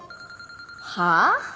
はあ？